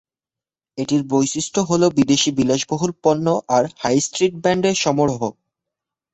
এটির বৈশিষ্ট্য হল বিদেশী বিলাসবহুল পণ্য আর হাই-স্ট্রিট ব্র্যান্ডের সমারোহ।